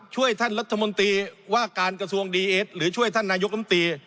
ช่วยท่านรัฐมนตรีว่าการกระทรวงดีเอสหรือช่วยท่านนายกรรมตรี